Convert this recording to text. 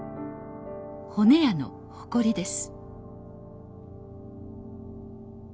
骨屋の誇りです